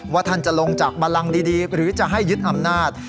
ท่านจะลงจากบันลังดีหรือจะให้ยึดอำนาจ